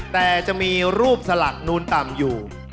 แต่จะมีรูปสลักนูนต่ำอยู่